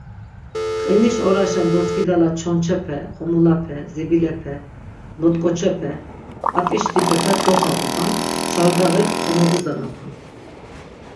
Qiniş oraşen doskidala çonçepe, xomulape, zibilepe, not̆k̆oçepe, p̆at̆iş tipepe dopağupan, çardaği konoduzanapan.